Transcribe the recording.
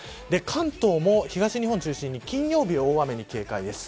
関東も東日本を中心に金曜日大雨に警戒が必要です。